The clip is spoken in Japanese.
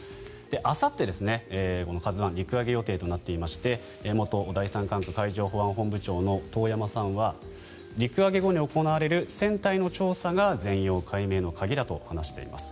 あさって、「ＫＡＺＵ１」陸揚げ予定となっていまして元第三管区海上保安部長の遠山さんは陸揚げ後に行われる船体の調査が全容解明の鍵だと話しています。